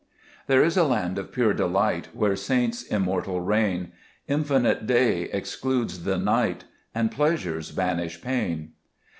"THERE is a land of pure delight, * Where saints immortal reign ; Infinite day excludes the night, And pleasures banish pain.